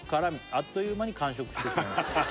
「あっという間に完食してしまいました」